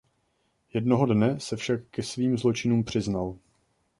Jednoho dne se však ke svým zločinům přiznal.